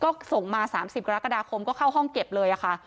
ก็ส่งมา๓๐กรกฎาคมก็เข้าห้องเก็บเลยค่ะ